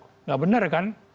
tidak benar kan